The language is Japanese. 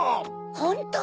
ホント？